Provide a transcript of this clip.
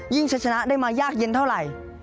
ยิ่งชัดชนะได้มายากเย็นเท่าไหร่